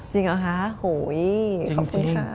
จริงเหรอคะโหยขอบคุณค่ะ